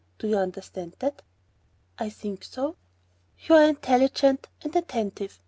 Do you understand that?" "I think so." "You are intelligent and attentive.